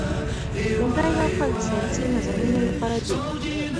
لومړی یو کال د ساینسي مضامینو لپاره دی.